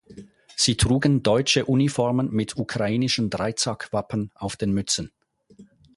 Sie trugen deutsche Uniformen mit ukrainischen Dreizack-Wappen auf den Mützen.